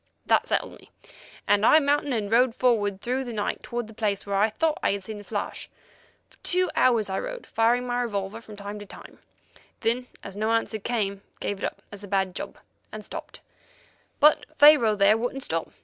That settled me, and I mounted and rode forward through the night toward the place where I thought I had seen the flash. For two hours I rode, firing my revolver from time to time; then as no answer came, gave it up as a bad job, and stopped. But Pharaoh there wouldn't stop.